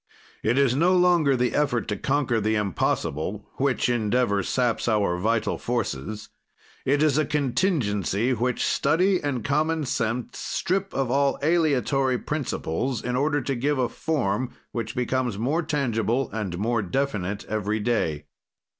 "It is no longer the effort to conquer the impossible, which endeavor saps our vital forces; it is a contingency which study and common sense strip of all aleatory principles, in order to give a form which becomes more tangible and more definite every day.